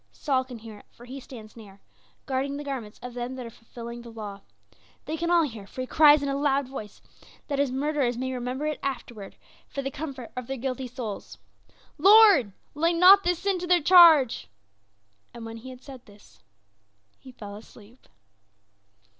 Saul can hear it, for he stands near, guarding the garments of them that are fulfilling the law. They can all hear, for he cries in a loud voice, that his murderers may remember it afterward for the comfort of their guilty souls: "Lord, lay not this sin to their charge." And when he had said this, he fell asleep.